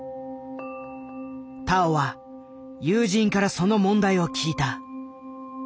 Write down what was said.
田尾は友人からその問題を聞いた。